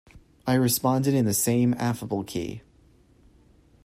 I responded in the same affable key.